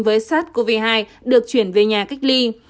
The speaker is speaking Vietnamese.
với sars cov hai được chuyển về nhà cách ly